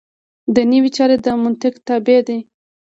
دنیوي چارې د منطق تابع دي.